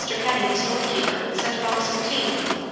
Penny, the storekeeper, sent a box of tea.